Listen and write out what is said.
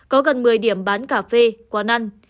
có gần một mươi điểm bán cà phê quán ăn